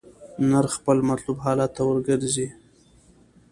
نرخ خپل مطلوب حالت ته ورګرځي.